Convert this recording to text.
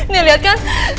nih liat kan